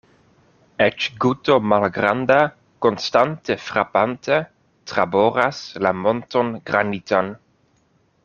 Eĉ guto malgranda, konstante frapante, traboras la monton granitan.